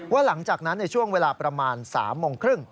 ว่าหลังจากนั้นในช่วงเวลาประมาณ๓๓๐น